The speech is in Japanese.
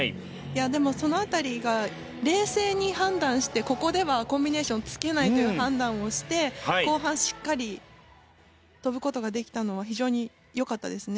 でもその辺りが冷静に判断してここではコンビネーションつけないという判断をして後半しっかり跳ぶ事ができたのは非常に良かったですね。